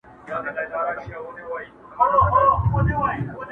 وړانګي ته په تمه چي زړېږم ته به نه ژاړې.!